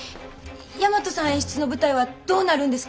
大和さん演出の舞台はどうなるんですか？